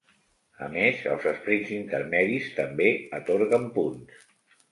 A més els esprints intermedis també atorguen punts.